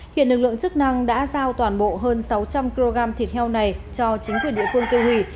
hiện lực lượng chức năng đã giao toàn bộ hơn sáu trăm linh kg thịt heo này cho chính quyền địa phương tiêu hủy